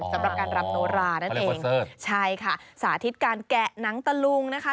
สำหรับการรำโนรานั่นเองใช่ค่ะสาธิตการแกะหนังตะลุงนะคะ